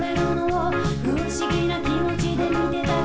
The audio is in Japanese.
「不思議な気持ちで見てたけど」